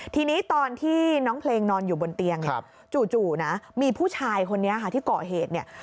ทีนี้ตอนที่น้องเพลงนอนอยู่บนเตียงเนี่ยจู่นะมีผู้ชายคนนี้ค่ะที่ก่อเหตุเนี่ย